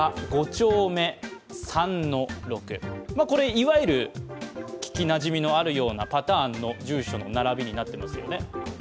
いわゆる聞きなじみのあるパターンの住所の並びになってますよね。